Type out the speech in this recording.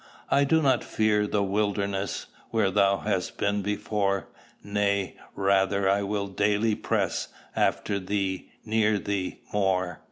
I do not fear the wilderness Where thou hast been before; Nay, rather will I daily press After thee, near thee, more.